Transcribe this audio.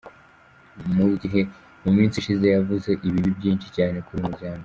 Mu gihe mu minsi ishize yavuze ibibi byinshi cyane kuri uyu muryango.